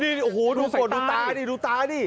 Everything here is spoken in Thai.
นี่โอ้โหดูตายดูตายดิ